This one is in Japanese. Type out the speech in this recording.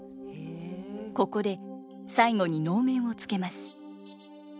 ここで最後に能面をつけます。